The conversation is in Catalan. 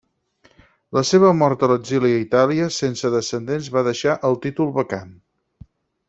La seva mort a l'exili a Itàlia sense descendents va deixar el títol vacant.